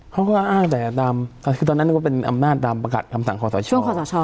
เขาก็อ้างแต่ตอนนั้นต้องเป็นอำนาจตามประกัติภรรยาศิลป์ขสช